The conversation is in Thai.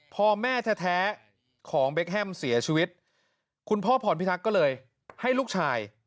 พอแม่แท้ของเบคแฮมเสียชีวิตคุณพ่อพรพิทักษ์ก็เลยให้ลูกชาย